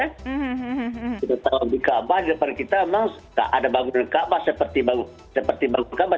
kita tahu di kaabah di depan kita memang ada bangunan kaabah seperti bangunan kaabah